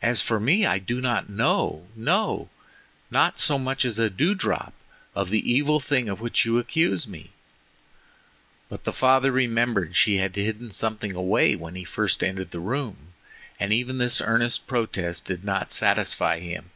As for me I do not know—no, not so much as a dew drop, of the evil thing of which you accuse me." But the father remembered that she had hidden something away when he first entered the room, and even this earnest protest did not satisfy him.